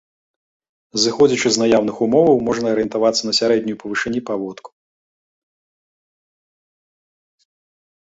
Зыходзячы з наяўных умоваў, можна арыентавацца на сярэднюю па вышыні паводку.